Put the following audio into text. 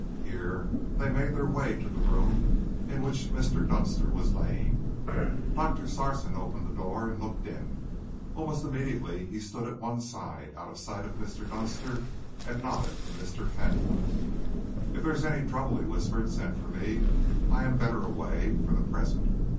Here they made their way to the room in which Mr. Dunster was lying. Doctor Sarson opened the door and looked in. Almost immediately he stood at one side, out of sight of Mr. Dunster, and nodded to Mr. Fentolin. "If there is any trouble," he whispered, "send for me. I am better away, for the present.